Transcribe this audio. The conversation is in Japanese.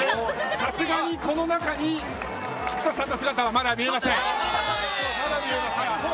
さすがに、この中に菊田さんの姿はまだ見えません。